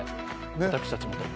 私たちもと。